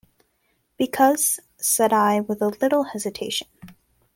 "Because —" said I with a little hesitation.